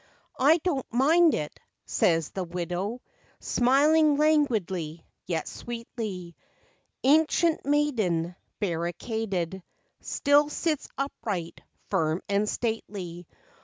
" I do n't mind it," says the widow, Smiling languidly, yet sweetly. Ancient maiden, barricaded, Still sits upright, firm and stately.